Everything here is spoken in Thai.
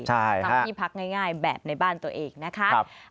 ทำที่พักง่ายแบบในบ้านตัวเองนะคะ